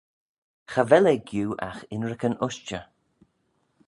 Cha vel eh giu agh ynrican ushtey.